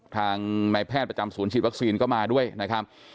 ทางนายแพทย์ประจำศูนย์ฉีดวัคซีนก็มาด้วยนะครับ